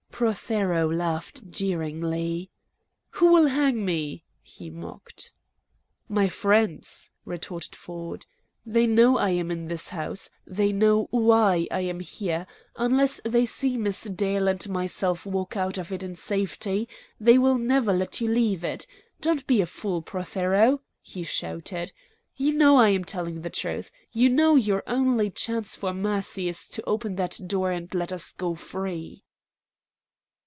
Prothero laughed jeeringly. "Who will hang me?" he mocked. "My friends," retorted Ford. "They know I am in this house. They know WHY I am here. Unless they see Miss Dale and myself walk out of it in safety, they will never let you leave it. Don't be a fool, Prothero!" he shouted. "You know I am telling the truth. You know your only chance for mercy is to open that door and let us go free."